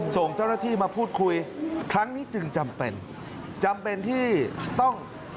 ส่งเจ้าหน้าที่มาพูดคุยครั้งนี้จึงจำเป็นจำเป็นที่ต้อง